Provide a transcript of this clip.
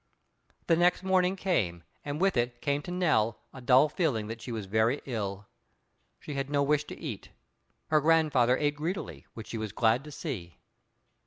The next morning came, and with it came to Nell a dull feeling that she was very ill. She had no wish to eat. Her grandfather ate greedily, which she was glad to see.